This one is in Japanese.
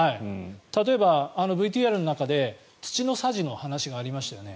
例えば、ＶＴＲの中で土のさじの話がありましたよね。